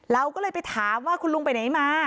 เราก็เลยไปถามว่าคุณลุงไปไหนมา